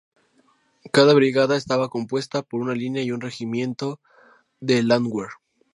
Cada brigada estaba compuesta por una línea y un regimiento de Landwehr.